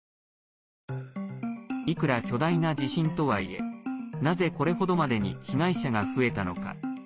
いくら巨大な地震とはいえなぜ、これほどまでに被害者が増えたのか。